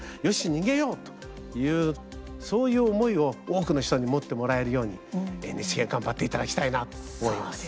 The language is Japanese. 逃げようというそういう思いを多くの人に持ってもらえるようにＮＨＫ頑張っていただきたいなと思います。